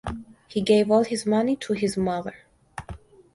He gave all his money to his mother.